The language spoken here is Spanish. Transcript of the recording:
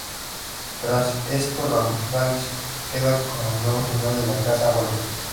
Tras esto, Ramsay queda como el nuevo Señor de la Casa Bolton.